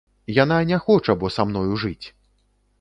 Яна не хоча бо са мною жыць!